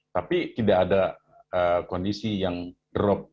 tapi tidak ada kondisi yang drop